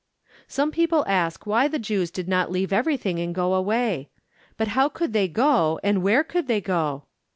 Some people ask why the Jews did not leave everything and go away. But how could they go and where could they go?